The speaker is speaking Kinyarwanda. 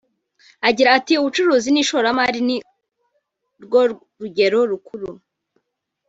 Agira ati “Ubucuruzi n’Ishoramari ni rwo rugero rukuru